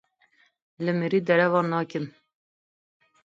Lê mirî derewan nakin.